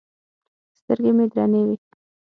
سترګې مې درنې وې.